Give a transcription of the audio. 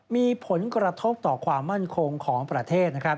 มีผลกระทบต่อความมั่นคงของประเทศ